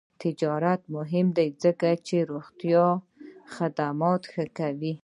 آزاد تجارت مهم دی ځکه چې روغتیا خدمات ښه کوي.